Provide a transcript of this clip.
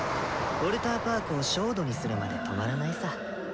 ウォルターパークを焦土にするまで止まらないさ。